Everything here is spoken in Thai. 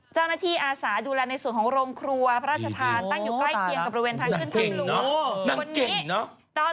เจ้าหน้าที่อาสารดูแลในศูนย์ของโรงครัวพระราชทานตั้งอยู่ใกล้เคียงกับบริเวณไทยขึ้นขึ้นลูก